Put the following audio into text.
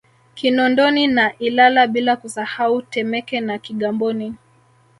Kinondoni na Ilala bila kusahau Temeke na Kigamboni